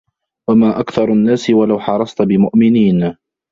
وَمَا أَكْثَرُ النَّاسِ وَلَوْ حَرَصْتَ بِمُؤْمِنِينَ